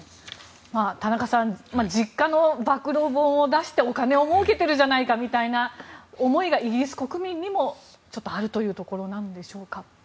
田中さん実家の暴露本を出してお金を儲けてるじゃないかみたいな思いがイギリス国民にもあるというところなんでしょうか。